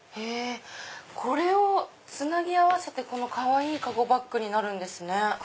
これをつなぎ合わせてかわいい籠バッグになるんですね。